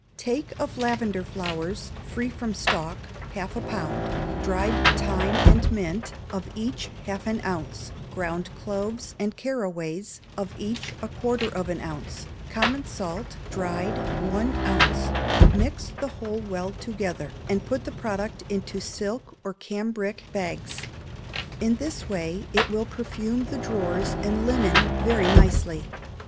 Take of lavender flowers, free from stalk, half a pound; dried thyme and mint, of each half an ounce; ground cloves and caraways, of each a quarter of an ounce; common salt, dried, one ounce, mix the whole well together, and put the product into silk or cambric hags. In this way it will perfume the drawers and linen very nicely.